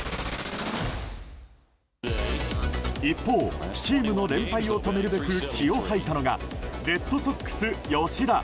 一方、チームの連敗を止めるべく気を吐いたのがレッドソックス、吉田。